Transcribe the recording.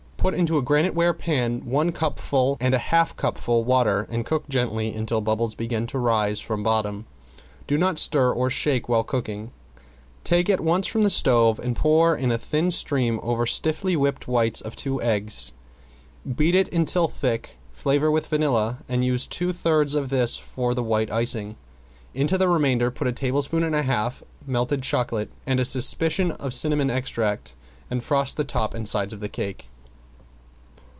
Put into a graniteware pan one cupful and a half cupful water and cook gently until bubbles begin to rise from bottom. Do not stir or shake while cooking. Take at once from the stove and pour in a thin stream over the stiffly whipped whites of two eggs. Beat it until thick, flavor with vanilla, and use two thirds of this for the white icing. Into the remainder put a tablespoon and a half melted chocolate and a suspicion of cinnamon extract, and frost the top and sides of the cake.